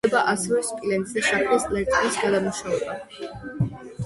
ხდება ასევე სპილენძისა და შაქრის ლერწმის გადამუშავება.